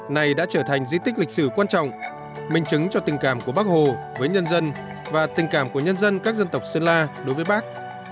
này đã trở thành di tích lịch sử quan trọng minh chứng cho tình cảm của bắc hồ với nhân dân và tình cảm của nhân dân các dân tộc sơn la đối với bác